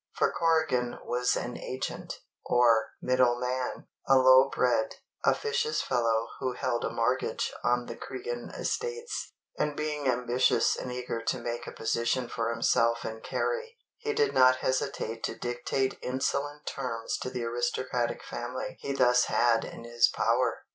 For Corrigan was an agent, or "middleman," a low bred, officious fellow who held a mortgage on the Cregan estates; and being ambitious and eager to make a position for himself in Kerry, he did not hesitate to dictate insolent terms to the aristocratic family he thus had in his power.